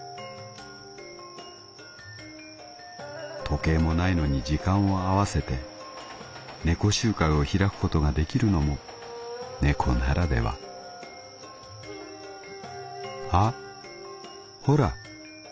「時計もないのに時間を合わせて猫集会を開くことができるのも猫ならではあっほら。